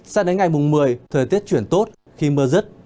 sao đến ngày mùng một mươi thời tiết chuyển tốt khi mưa rứt